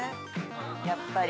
やっぱり。